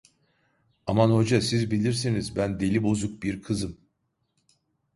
Aman Hoca, siz bilirsiniz, ben delibozuk bir kızım.